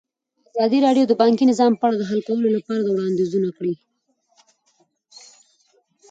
ازادي راډیو د بانکي نظام په اړه د حل کولو لپاره وړاندیزونه کړي.